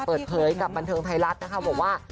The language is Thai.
เปิดเผยกับบันเทิงไทยรัฐนะคะบอกว่า